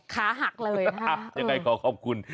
ขาหักเลยอ่ะยังไงขอขอบคุณ